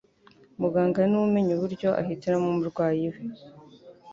Muganga niwe umenya uburyo ahitiramo umurwayi we